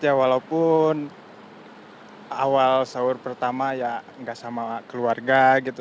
ya walaupun awal sahur pertama ya nggak sama keluarga gitu